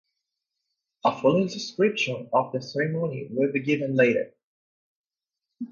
A fuller description of the ceremony will be given later.